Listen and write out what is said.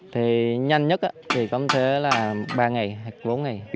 thì nhanh nhất thì có thể là ba ngày hay bốn ngày